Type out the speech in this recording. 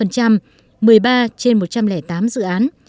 một mươi ba trên một trăm linh tám dự án